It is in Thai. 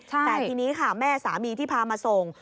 แต่ทีนี้ค่ะแม่สามีที่พามาส่ง